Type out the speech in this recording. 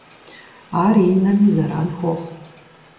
Ар и нэми зэран хуохъу.